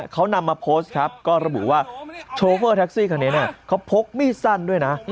เขานำมาโพสต์ครับก็ระบุว่าโชเฟอร์แท็กซี่คันนี้เขาพกมีดสั้นด้วยนะ